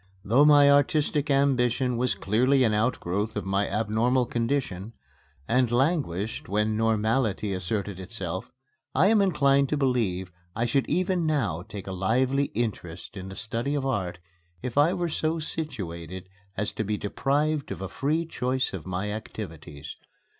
Though my artistic ambition was clearly an outgrowth of my abnormal condition, and languished when normality asserted itself, I am inclined to believe I should even now take a lively interest in the study of art if I were so situated as to be deprived of a free choice of my activities.